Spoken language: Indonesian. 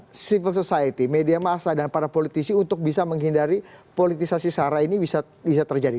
ada civil society media massa dan para politisi untuk bisa menghindari politisasi sarah ini bisa terjadi